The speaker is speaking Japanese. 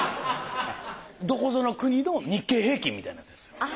どこぞの国の日経平均みたいなやつですよ。